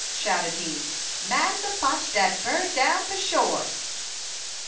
shouted he; "massa fotch dat bird down, for shore!"